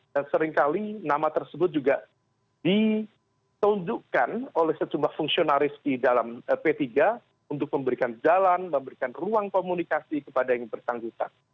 dan seringkali nama tersebut juga ditundukkan oleh sejumlah fungsionalis di dalam p tiga untuk memberikan jalan memberikan ruang komunikasi kepada yang bersanggupan